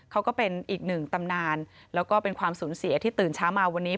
ก็เป็นอีกหนึ่งตำนานแล้วก็เป็นความสูญเสียที่ตื่นเช้ามาวันนี้